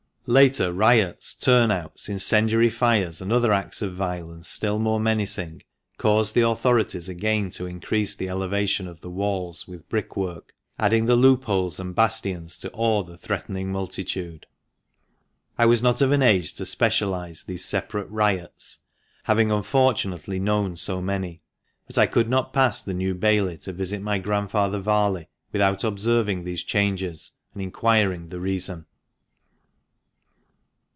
Later riots, turn outs, incendiary fires, and other acts of violence still more menacing, caused the authorities again to increase the elevation of the walls with brick work, adding the loop holes and bastions to awe the threatening multitude. I was not of an age to specialize these separate riots, having unfortunately known so many, but I could not pass the New Bailey to visit my Grandfather Varley without observing these changes, and inquiring the reason.